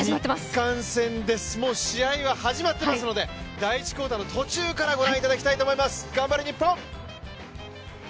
日韓戦です、もう試合は始まっていますので、第１クオーターの途中からご覧いただきたいと思います。